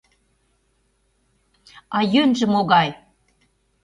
А йӧнжӧ могае!